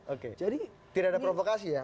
oke jadi tidak ada provokasi ya